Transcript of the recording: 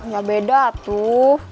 gak beda tuh